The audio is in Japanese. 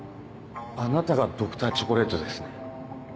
あなたがＤｒ．チョコレートですね？